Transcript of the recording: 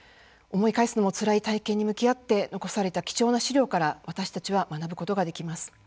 思い返すのもつらい体験に向き合って残された貴重な資料から私たちは学ぶことができます。